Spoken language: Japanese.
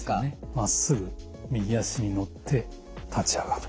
まっすぐ右足に乗って立ち上がる。